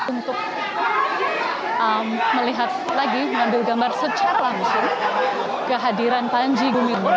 untuk melihat lagi mengambil gambar secara langsung kehadiran panji gumilang